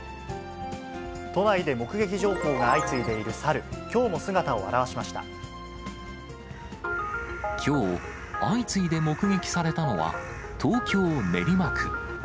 都内で目撃情報が相次いでいるサル、きょう、相次いで目撃されたのは、東京・練馬区。